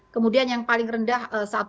kemudian yang paling rendah satu lima